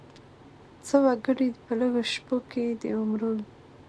څه وګړي په لږو شپو کې د عمرو وي.